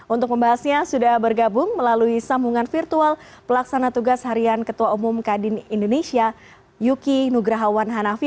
untuk membahasnya sudah bergabung melalui sambungan virtual pelaksana tugas harian ketua umum kadin indonesia yuki nugrawan hanafi